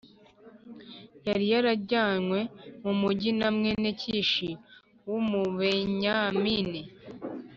Yari yarajyanywe mu mujyi na mwene Kishi w’Umubenyamini